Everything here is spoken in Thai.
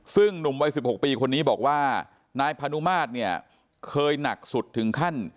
ซึ่งหนุ่มวัย๑๖ปีคนนี้บอกว่านายพานุมาตรเนี่ยเคยหนักสุดถึงขั้น